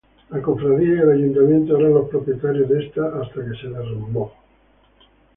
La cofradía y el ayuntamiento eran los propietarios de esta, hasta que se derrumbó.